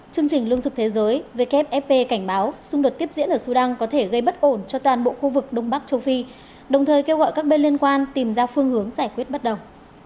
chương trình lương thực thế giới wfp cảnh báo xung đột tiếp diễn ở sudan có thể gây bất ổn cho toàn bộ khu vực đông bắc châu phi đồng thời kêu gọi các bên liên quan tìm ra phương hướng giải quyết bất đồng